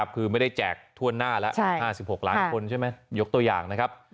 คือไม่ได้แจกทั่วหน้าแล้ว๕๖ล้านคนใช่ไหมยกตัวอย่างนะครับ